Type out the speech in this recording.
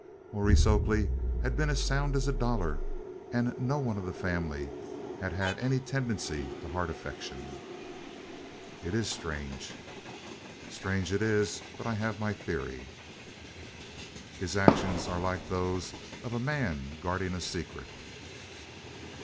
Maurice Oakley had been as sound as a dollar, and no one of the family had had any tendency to heart affection." "It is strange." "Strange it is, but I have my theory." "His actions are like those of a man guarding a secret."